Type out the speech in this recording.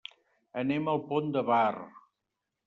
Anem al Pont de Bar.